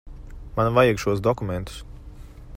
Man vajag šos dokumentus.